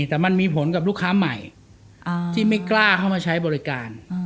แต่มันมีผลกับลูกค้าใหม่ที่ไม่กล้าเข้ามาใช้บริการ